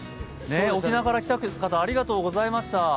沖縄から来た方、ありがとうございました。